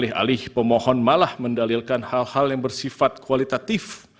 alih alih pemohon malah mendalilkan hal hal yang bersifat kualitatif